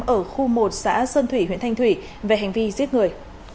ở khu một xã sơn thủy huyện thanh thủy về hành vi giết người